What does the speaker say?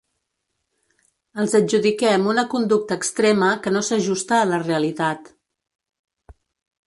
Els adjudiquem una conducta extrema que no s'ajusta a la realitat.